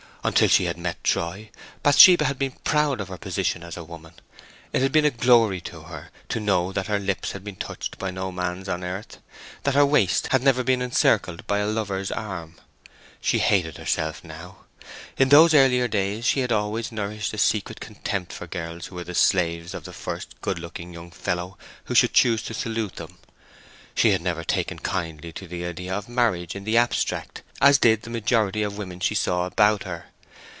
Until she had met Troy, Bathsheba had been proud of her position as a woman; it had been a glory to her to know that her lips had been touched by no man's on earth—that her waist had never been encircled by a lover's arm. She hated herself now. In those earlier days she had always nourished a secret contempt for girls who were the slaves of the first good looking young fellow who should choose to salute them. She had never taken kindly to the idea of marriage in the abstract as did the majority of women she saw about her.